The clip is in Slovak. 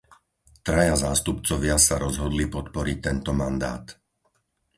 Traja zástupcovia sa rozhodli podporiť tento mandát.